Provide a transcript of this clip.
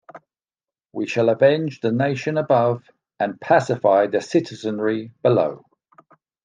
We shall avenge the nation above, and pacify the citizenry below.